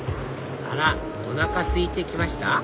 あらおなかすいてきました？